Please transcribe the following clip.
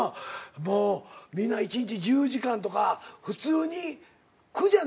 もうみんな１日１０時間とか普通に苦じゃなく言いよんねんね。